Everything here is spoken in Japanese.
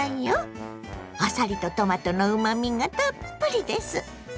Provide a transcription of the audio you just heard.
あさりとトマトのうまみがたっぷりです。